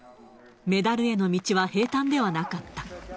メダルへの道は平たんではなかった。